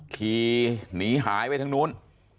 ขี่หนีหายไปทางนู้น